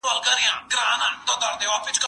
کېدای سي ليکلي پاڼي ګډ وي!؟